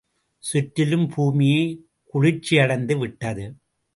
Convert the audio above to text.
சுற்றிலும் பூமியே குளிர்ச்சியடைந்து விட்டது.